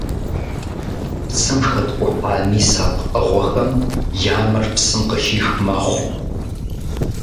Псым хэткӀухьа мис а пкъыгъуэхэм я мэр псым къыхих мэхъу.